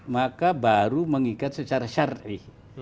maka baru mengikat secara syarih